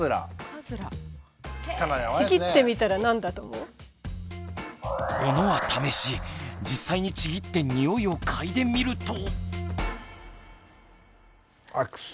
これものは試し実際にちぎってにおいをかいでみると。